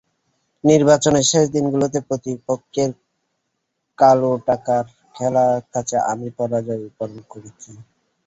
নির্বাচনের শেষ দিনগুলোতে প্রতিপক্ষের কালোটাকার খেলার কাছে আমি পরাজয় বরণ করেছি।